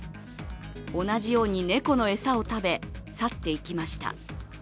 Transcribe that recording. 同じように猫の餌を食べ、去って行きました。